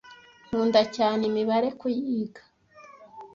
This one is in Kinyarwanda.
nkunda cyane imibare kuyiga